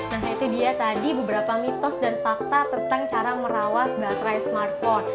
nah itu dia tadi beberapa mitos dan fakta tentang cara merawat baterai smartphone